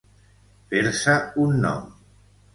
Fer-se un nom.